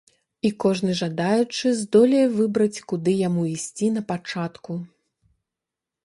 І кожны жадаючы здолее выбраць, куды яму ісці на пачатку.